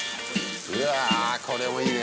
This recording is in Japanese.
うわこれもいいね。